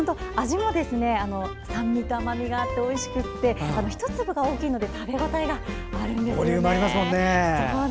味も酸味と甘みがあっておいしくて１粒が大きいので食べ応えがあるんです。